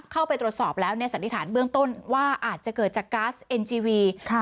เข้าไปตรวจสอบแล้วเนี่ยสันนิษฐานเบื้องต้นว่าอาจจะเกิดจากก๊าซเอ็นจีวี